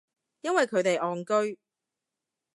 因為佢哋戇居